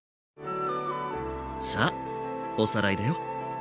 さあおさらいだよ。